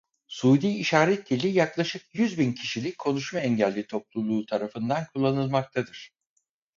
Suudi İşaret dili yaklaşık yüz bin kişilik konuşma engelli topluluğu tarafından kullanılmaktadır.